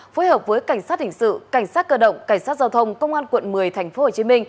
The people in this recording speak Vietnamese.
phối hợp với cảnh sát hình sự cảnh sát cơ động cảnh sát giao thông công an quận một mươi tp hcm